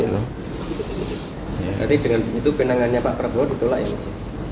tapi dengan itu penangannya pak prabowo ditolak ya mas